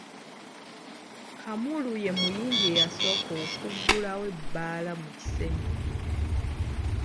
Kamulu ye muyindi eyasooka okuggulawo ebbaala mu kisenyi.